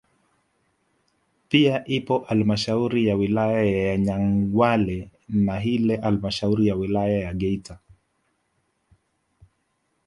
Pia ipo halmashauri ya wilaya ya Nyangwale na ile halmashauri ya wilaya ya Geita